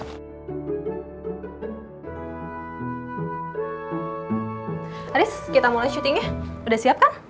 haris kita mulai syutingnya udah siap kan